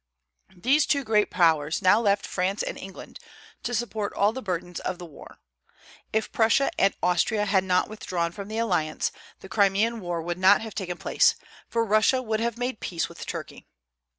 These two great Powers now left France and England to support all the burdens of the war. If Prussia and Austria had not withdrawn from the alliance, the Crimean war would not have taken place, for Russia would have made peace with Turkey.